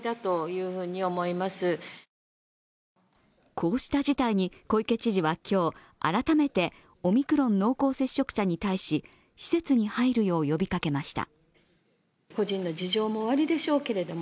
こうした事態に小池知事は今日、改めてオミクロン濃厚接触者に対し施設に入るよう呼びかけました。